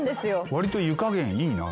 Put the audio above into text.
わりと湯加減いいな。